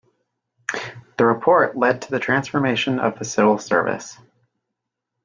The report led to the transformation of the civil service.